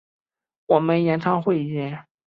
我们演唱会见！